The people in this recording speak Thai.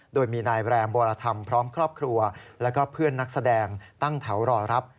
โดยมีนายแรมวรธรรมพร้อมครอบครัวแล้วก็เพื่อนนักแสดงตั้งแถวรอรับ